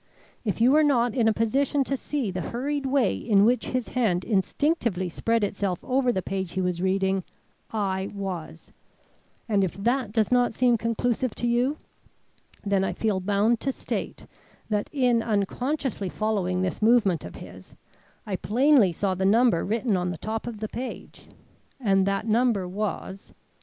If you were not in a position to see the hurried way in which his hand instinctively spread itself over the page he was reading, I was; and if that does not seem conclusive to you, then I feel bound to state that in unconsciously following this movement of his, I plainly saw the number written on the top of the page, and that number was 13."